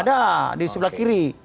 ada di sebelah kiri